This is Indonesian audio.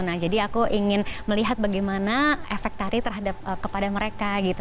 nah jadi aku ingin melihat bagaimana efek tadi terhadap kepada mereka gitu